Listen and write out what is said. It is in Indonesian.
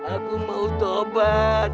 aku mau tobat